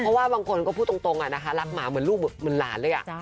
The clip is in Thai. เพราะว่าบางคนก็พูดตรงนะคะรักหมาเหมือนลูกเหมือนหลานเลย